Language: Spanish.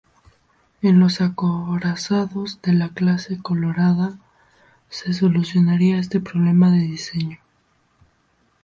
En los acorazados de la clase Colorado se solucionaría este problema de diseño.